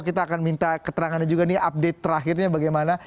kita akan minta keterangannya juga nih update terakhirnya bagaimana